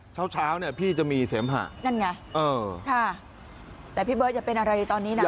เช้าพี่จะมีเสมหะนั่นไงแต่พี่เบิ๊ดจะเป็นอะไรตอนนี้